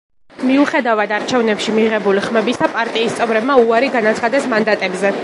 მიუხედავად არჩევნებში მიღებული ხმებისა, პარტიის წევრებმა უარი განაცხადეს მანდატებზე.